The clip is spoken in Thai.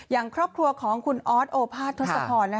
อย่างครอบครัวของคุณออสโอภาษทศพร